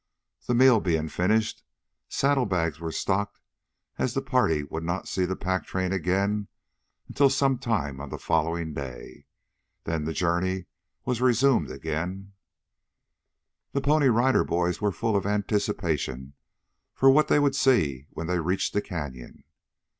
The meal being finished, saddle bags were stocked as the party would not see the pack train again until some time on the following day. Then the journey was resumed again. The Pony Rider Boys were full of anticipation for what they would see when they reached the Canyon.